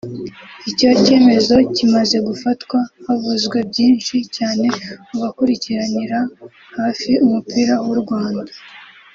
Icyo cyemezo kimaze gufatwa havuzwe byinshi cyane mu bakurikiranira hafi umupira w’u Rwanda